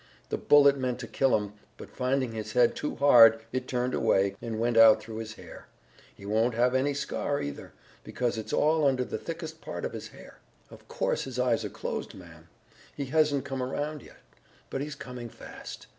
The bullet meant to kill him, but finding his head too hard, it turned away, and went out through his hair. He won't have any scar, either, because it's all under the thickest part of his hair. "Of course his eyes are closed, ma'am. He hasn't come around yet, but he's coming fast.